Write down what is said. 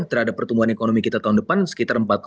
terhadap pertumbuhan ekonomi kita tahun depan sekitar